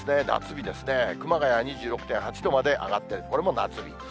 夏日ですね、熊谷２６．８度まで上がって、これも夏日。